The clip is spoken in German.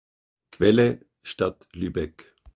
Quelle: Stadt Lübeck